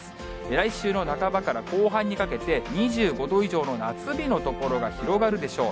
来週の半ばから後半にかけて２５度以上の夏日の所が広がるでしょう。